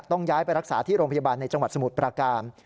ต้องย้ายไปรักษาที่โรงพยาบาลในจังหวัดสมุทรประการ